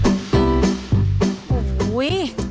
ขับรถมาสะดวกแถมีที่จอดรถข้างร้านด้วย